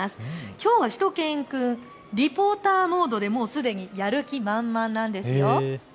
きょうはしゅと犬くん、リポーターモードですでにやる気満々なんですよ。